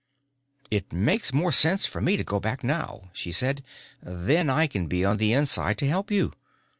"It makes more sense for me to go back now," she said. "Then I can be on the inside to help you."